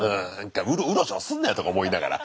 うろちょろすんなよとか思いながら。